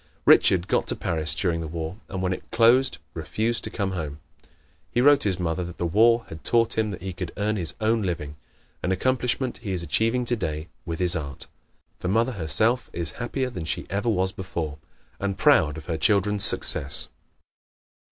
Richard got to Paris during the War and when it closed refused to come home. He wrote his mother that the war had taught him he could earn his own living an accomplishment he is achieving today with his art. The mother herself is happier than she ever was before, and proud of her children's success.